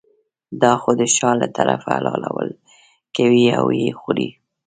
دا خو د شا له طرفه حلالول کوي او یې خوري.